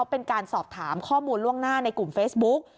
เป็นการสอบถามข้อมูลล่วงหน้าในกลุ่มเฟซบุ๊ก